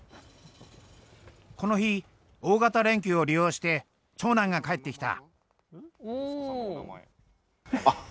この日大型連休を利用して長男が帰ってきた。